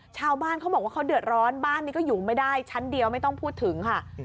ชาวบ้านเขาบอกว่าเขาเดือดร้อนบ้านนี้ก็อยู่ไม่ได้ชั้นเดียวไม่ต้องพูดถึงค่ะ